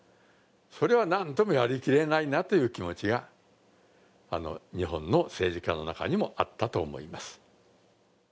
それはなんともやりきれないなという気持ちが日本の政治家の中にもあったと思います。